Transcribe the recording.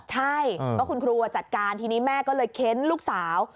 ใช่ก็คุณครูจัดการทีนี้แม่ก็เลยเค้นลูกสาว